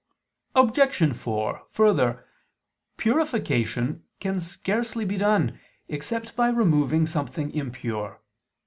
Obj. 4: Further, purification can scarcely be done except by removing something impure.